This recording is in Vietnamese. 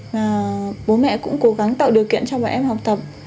và bố mẹ cũng cố gắng tạo điều kiện cho bọn em học tập